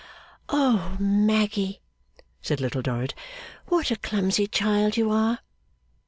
'Oh, Maggy,' said Little Dorrit, 'what a clumsy child you are!